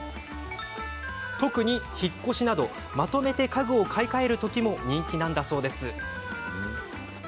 特に、引っ越しなどまとめて家具を買い替える時も人気なんだそうです。